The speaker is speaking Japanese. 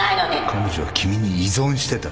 彼女は君に依存してた。